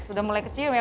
udah mulai tercium ya